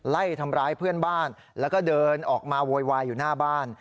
ไล่ทำร้ายเพื่อนบ้านแล้วก็เดินออกมาโวยวายอยู่หน้าบ้าน